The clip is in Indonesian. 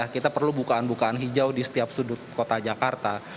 kita perlu bukaan bukaan hijau di setiap sudut kota jakarta